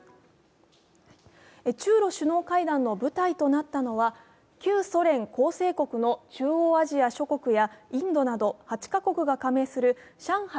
中ロ首脳会談の舞台となったのは旧ソ連構成国の中央アジアやインドなど８か国が加盟する上海